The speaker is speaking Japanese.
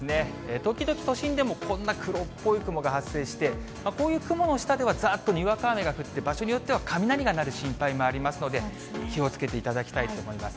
時々都心でもこんな黒っぽい雲が発生して、こういう雲の下ではざーっとにわか雨が降って、場所によっては雷が鳴る心配もありますので、気をつけていただきたいと思います。